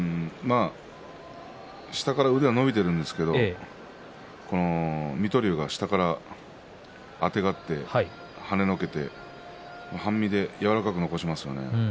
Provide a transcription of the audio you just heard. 下から腕は伸びているんですけど水戸龍が下からあてがってはねのけて半身で柔らかく残しますよね。